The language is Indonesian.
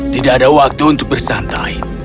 tidak ada waktu untuk bersantai